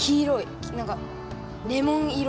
なんかレモン色。